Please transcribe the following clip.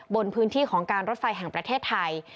บนพื้นที่ของการรถไฟแห่งประเทศไทย